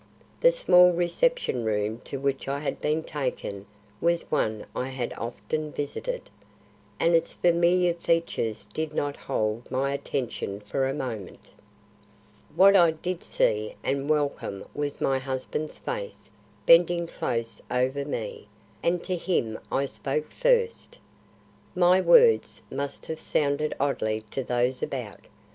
The small reception room to which I had been taken was one I had often visited, and its familiar features did not hold my attention for a moment. What I did see and welcome was my husband's face bending close over me, and to him I spoke first. My words must have sounded oddly to those about.